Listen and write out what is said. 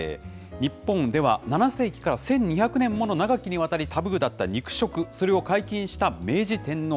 日本では７世紀から１２００年もの長きにわたりタブーだった肉食、それを解禁した明治天皇。